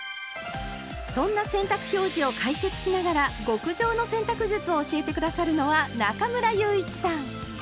そんな洗濯表示を解説しながら極上の洗濯術を教えて下さるのは中村祐一さん。